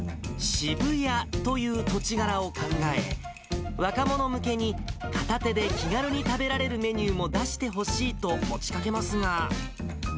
渋谷という土地柄を考え、若者向けに、片手で気軽に食べられるメニューも出してほしいと持ちかけますが。